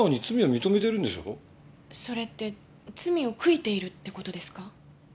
それって罪を悔いているって事ですか？